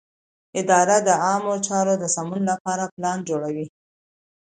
اداره د عامه چارو د سمون لپاره پلان جوړوي.